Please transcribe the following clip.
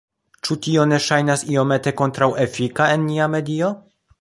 Ĉu tio ne ŝajnas iomete kontraŭefika en nia medio?